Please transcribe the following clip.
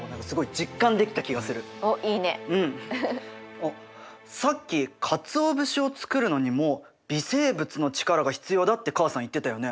あっさっきかつお節を作るのにも微生物の力が必要だって母さん言ってたよね？